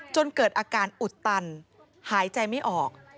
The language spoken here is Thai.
จนเกิดอาการอุดตันหายใจไม่ออก